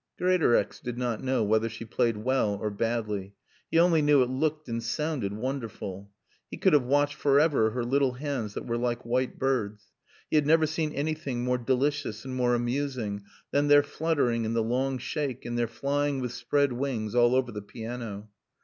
Greatorex did not know whether she played well or badly. He only knew it looked and sounded wonderful. He could have watched forever her little hands that were like white birds. He had never seen anything more delicious and more amusing than their fluttering in the long shake and their flying with spread wings all over the piano.